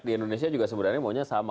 di indonesia juga sebenarnya maunya sama